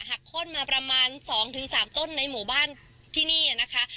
โค้นมาประมาณ๒๓ต้นในหมู่บ้านที่นี่นะคะ